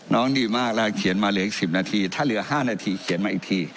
ดีมากแล้วเขียนมาเหลืออีก๑๐นาทีถ้าเหลือ๕นาทีเขียนมาอีกที